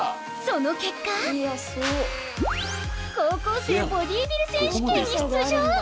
その結果高校生ボディビル選手権に出場！